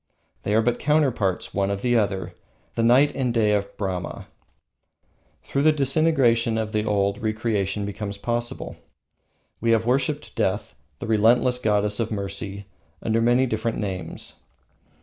They are but counterparts one of the other, The Night and Day of Brahma. Through the disintegration of the old, re creation becomes possible. We have worshipped Death, the relentless goddess of mercy, under many different names.